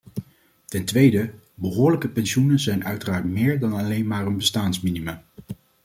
Ten tweede, behoorlijke pensioenen zijn uiteraard meer dan alleen maar een bestaansminimum.